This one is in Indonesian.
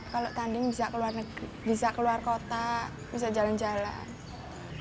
kalau tanding bisa keluar kota bisa jalan jalan